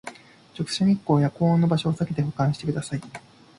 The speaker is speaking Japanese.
直射日光や高温の場所をさけて保管してください